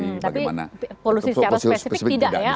tapi polusi secara spesifik tidak ya